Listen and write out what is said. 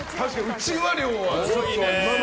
うちわ量は一番。